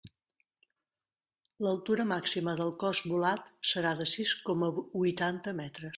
L'altura màxima del cos volat serà de sis coma huitanta metres.